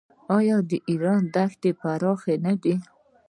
آیا د ایران دښتې پراخې نه دي؟